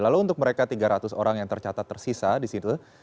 lalu untuk mereka tiga ratus orang yang tercatat tersisa di situ